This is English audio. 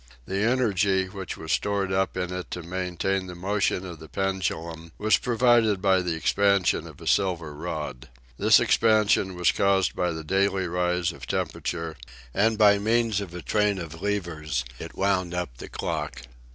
The energy, which was stored up in it to maintain the motion of the pendulum, was provided by the expansion of a silver rod. This expansion was caused by the daily rise of temperature, and by means of a train of levers it wound up the clock.